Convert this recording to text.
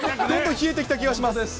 どんどん冷えてきた気がします。